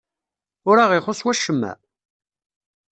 Ur aɣ-ixuṣṣ wacemma?